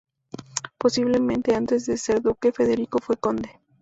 Posiblemente antes de ser duque, Federico fue conde.